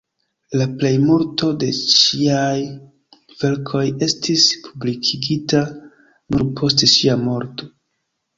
La plejmulto de ŝiaj verkoj estis publikigita nur post ŝia morto.